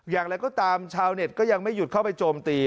อย่างไรก็ตามชาวเน็ตก็ยังไม่หยุดเข้าไปโจมตี